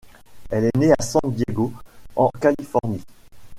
Elle est née à San Diego, en Californie.